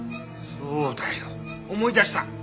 そうだよ思い出した。